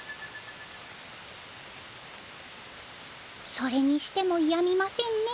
それにしてもやみませんね。